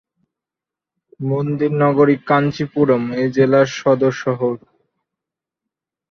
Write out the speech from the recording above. মন্দির-নগরী কাঞ্চীপুরম এই জেলার সদর শহর।